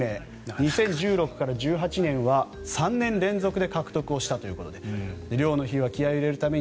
２０１６年から２０１８年は３年連続で獲得したということで漁の日は気合を入れるために